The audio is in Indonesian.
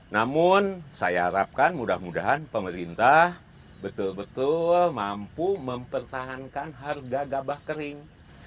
namun saya harapkan mudah mudahan pemerintah betul betul mampu mempertahankan harga gabah kering